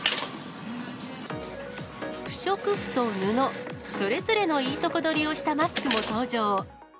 不織布と布、それぞれのいいとこどりをしたマスクも登場。